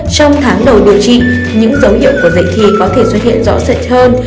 trong tháng đầu điều trị những dấu hiệu của dạy thi có thể xuất hiện rõ rệt hơn